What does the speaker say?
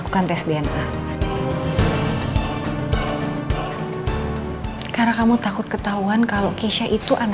kalau itu saya yang menelpon